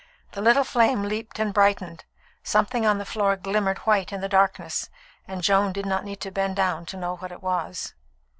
The little flame leaped and brightened. Something on the floor glimmered white in the darkness, and Joan did not need to bend down to know what it was.